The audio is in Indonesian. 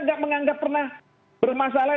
gak menganggap pernah bermasalah